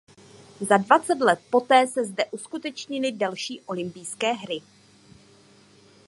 Za dvacet let poté se zde uskutečnily další Olympijské hry.